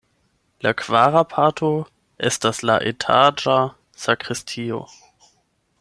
La kvara parto estas la etaĝa sakristio.